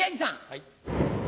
はい。